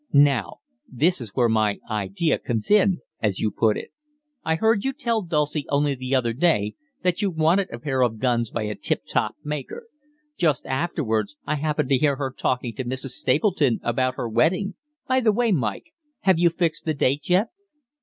Now, this is where my idea 'comes in,' as you put it. I heard you tell Dulcie only the other day that you wanted a pair of guns by a tip top maker. Just afterwards I happened to hear her talking to Mrs. Stapleton about her wedding by the way, Mike, have you fixed the date yet?"